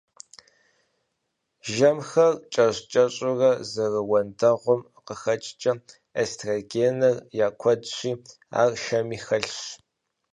Жэмхэр кӀэщӀ-кӀэщӀурэ зэрыуэндэгъум къыхэкӀкӀэ, эстрогеныр я куэдщи, ар шэми хэлъщ.